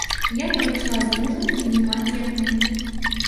Я прыйшла з мужам і двума дзеткамі.